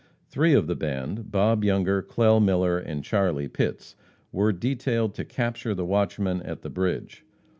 Three of the band, Bob Younger, Clell Miller and Charlie Pitts, were detailed to capture the watchman at the bridge.